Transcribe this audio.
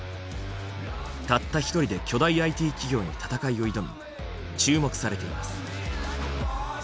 たった一人で巨大ＩＴ企業に闘いを挑み注目されています。